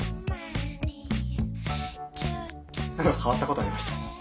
何か変わったことありました？